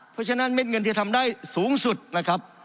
เพราะฉะนั้นเม็ดเงินที่จะทำได้สูงสุดนะครับ